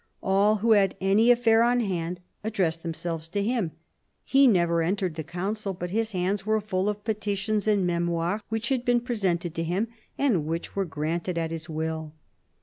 All who had any affair on hand addressed themselves to him ; he never entered the Council but his hands were full of petitions and memoirs which had been presented to him, and which were granted at his will."